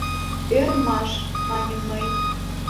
— Ӧрмаш! — маньым мый.